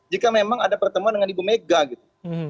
jika memang ada pertemuan dengan ibu megapun